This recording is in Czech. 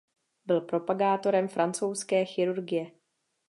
Byl propagátorem francouzské chirurgie.